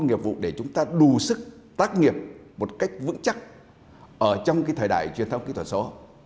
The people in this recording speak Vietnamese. nghiệp vụ để chúng ta đủ sức tác nghiệp một cách vững chắc ở trong cái thời đại truyền thông kỹ thuật số